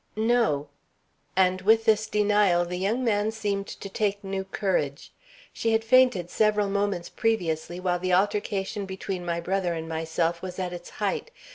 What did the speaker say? "No." And with this denial the young man seemed to take new courage. "She had fainted several moments previously, while the altercation between my brother and myself was at its height.